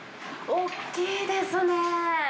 大きいですね。